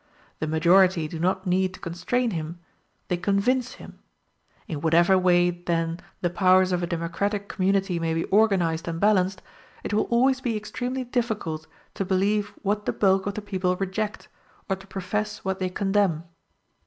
The majority do not need to constrain him they convince him. In whatever way then the powers of a democratic community may be organized and balanced, it will always be extremely difficult to believe what the bulk of the people reject, or to profess what they condemn.